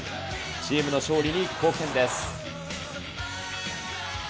チームの勝利に貢献です。